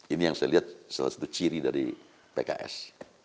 ini yang saya lihat salah satu ciri dari pks